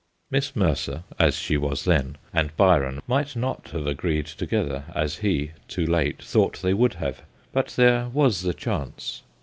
Miss Mercer (as she was then) and Byron might not have agreed together as he, too late, thought they would have, but there was the chance.